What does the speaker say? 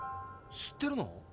知ってるの？